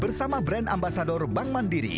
bersama brand ambasador bank mandiri